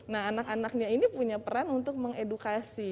nah anak anaknya ini punya peran untuk mengedukasi